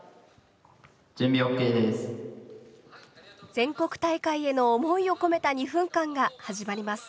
全国大会への思いを込めた２分間が始まります。